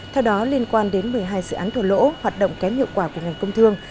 theo đó liên quan đến một mươi hai dự án thủa lỗ hoạt động kém hiệu quả của ngành công thương